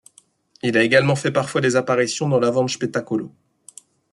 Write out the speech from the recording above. Il a également fait parfois des apparitions dans l'avanspettacolo.